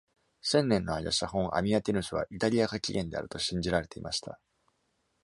千年の間、写本 Amiatinus はイタリアが起源であると信じられていました。